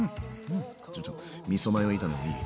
じゃちょっとみそマヨ炒めもいい？